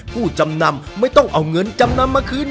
ผู้จำนำไม่ต้องเอาเงินจำนำมาคืน